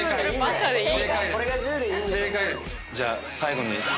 じゃあ最後に。